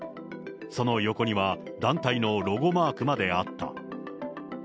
その横には団体のロゴマークまであった。